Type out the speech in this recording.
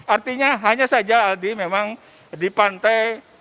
artinya hanya saja aldi memang di pantai